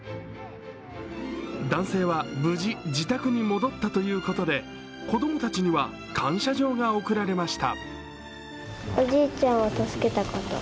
男性は無事、自宅に戻ったということで子供たちには感謝状が贈られました。